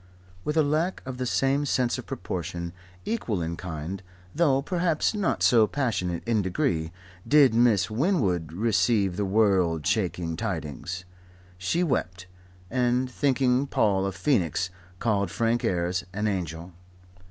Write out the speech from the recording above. With a lack of the same sense of proportion, equal in kind, though perhaps not so passionate in degree, did Miss Winwood receive the world shaking tidings. She wept, and, thinking Paul a phoenix, called Frank Ayres an angel.